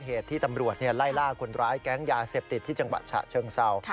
เหตุที่ตำรวจไล่ล่าคนร้ายแก๊งยาเสพติดที่จังหวัดฉะเชิงเศร้า